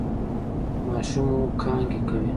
ماشوم مو کانګې کوي؟